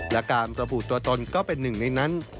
และการระบุตัวตนก็เป็นหนึ่งในนั้น